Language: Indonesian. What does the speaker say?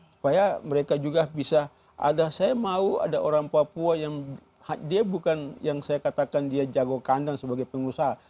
supaya mereka juga bisa ada saya mau ada orang papua yang dia bukan yang saya katakan dia jago kandang sebagai pengusaha